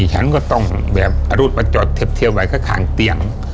ฉันก็ต้องแบบเอารถมาจอดเทียบไว้ข้างเตียง